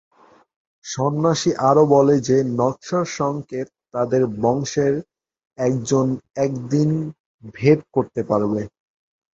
সন্ন্যাসী আরো বলে যে, নকশার সংকেত তাদের বংশের একজন একদিন ভেদ করতে পারবে।